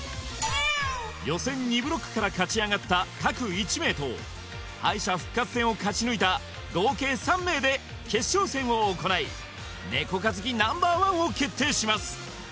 予選２ブロックから勝ち上がった各１名と敗者復活戦を勝ち抜いた合計３名で決勝戦を行いネコ科好きＮｏ．１を決定します